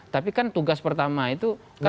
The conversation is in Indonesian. tapi kan tugas pertama itu